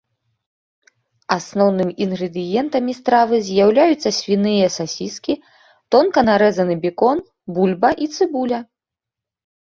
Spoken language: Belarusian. Асноўнымі інгрэдыентамі стравы з'яўляюцца свіныя сасіскі, тонка нарэзаны бекон, бульба і цыбуля.